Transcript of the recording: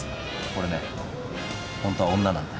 これねホントは女なんだよ。えっ？